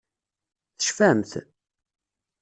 Tecfamt?